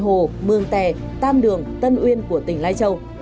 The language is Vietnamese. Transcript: hồ mường tè tam đường tân uyên của tỉnh lai châu